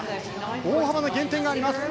大幅な減点がありました。